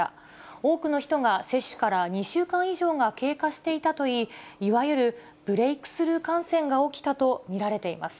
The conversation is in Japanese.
多くの人が接種から２週間以上が経過していたといい、いわゆるブレークスルー感染が起きたと見られています。